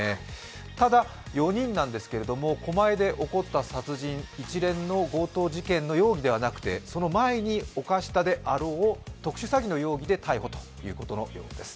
ただ４人なんですけれども、狛江で起こった殺人一連の強盗事件の容疑ではなくて、その前に犯したであろう特殊詐欺の容疑で逮捕ということのようです。